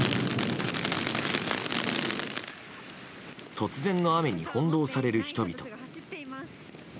突然の雨に翻弄される人々。